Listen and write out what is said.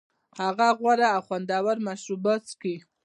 هغه غوره او خوندور مشروبات څښي